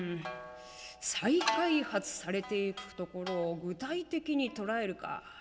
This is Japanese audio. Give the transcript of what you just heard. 再開発されていくところを具体的に捉えるか。